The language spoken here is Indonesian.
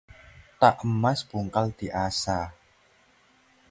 Tak emas bungkal diasah